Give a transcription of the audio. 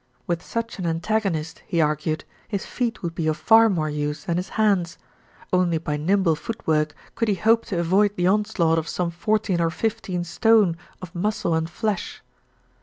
With such an antagonist, he argued, his feet would be of far more use than his hands. Only by nimble foot work could he hope to avoid the onslaught of some fourteen or fifteen stone of muscle and flesh.